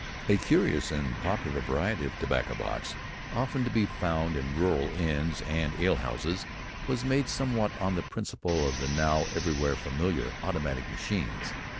A curious and popular variety of tobacco box often to be found in rural inns and ale houses was made somewhat on the principle of the now everywhere familiar automatic machines.